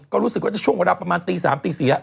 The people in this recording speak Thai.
ก็รู้สึกว่าจะช่วงเวลาประมาณตี๓ตี๔